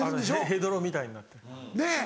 ヘドロみたいになってる。ねぇ。